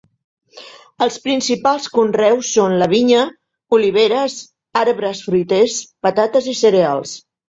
Els principals conreus són la vinya, oliveres, arbres fruiters, patates i cereals.